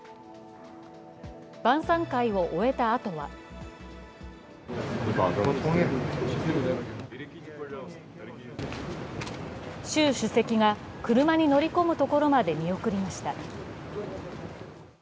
晩さん会を終えたあとは習主席が車に乗り込むところまで見送りました。